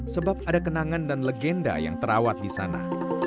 sebab ada kenangan dan legenda yang terawat di sana